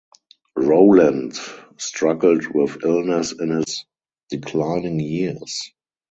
Rowland struggled with illness in his declining years.